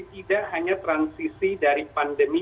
tidak hanya transisi dari pandemi